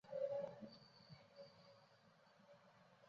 维莱尔圣热内斯。